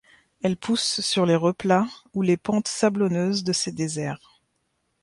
Elle pousse sur les replats ou les pentes sablonneuses de ces déserts.